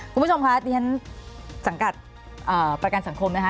คุณผู้ชมคะดิฉันสังกัดประกันสังคมนะคะ